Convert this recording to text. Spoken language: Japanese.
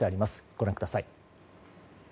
ご覧ください。